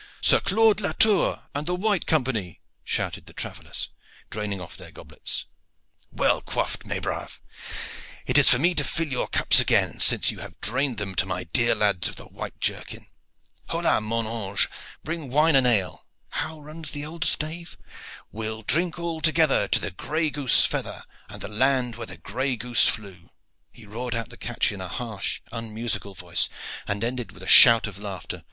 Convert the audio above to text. "Sir Claude Latour and the White Company!" shouted the travellers, draining off their goblets. "Well quaffed, mes braves! It is for me to fill your cups again, since you have drained them to my dear lads of the white jerkin. Hola! mon ange, bring wine and ale. How runs the old stave? We'll drink all together To the gray goose feather And the land where the gray goose flew." He roared out the catch in a harsh, unmusical voice, and ended with a shout of laughter.